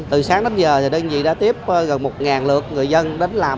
từ sáng đến giờ thì đơn vị đã tiếp gần một lượt người dân đến làm